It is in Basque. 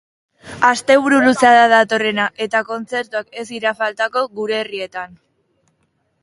Asteburu luzea da datorrena eta kontzertuak ez dira faltako gure herrietan.